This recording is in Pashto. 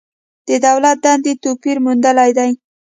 د دولت دندې توپیر موندلی دی.